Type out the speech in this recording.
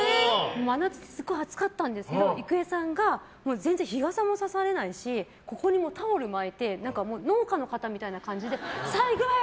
真夏、すごい暑かったんですけど郁恵さんが全然日傘もさされないし首にタオル巻いて農家の方みたいな感じでさあ、行くわよ！